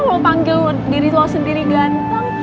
mau panggil diri lo sendiri ganteng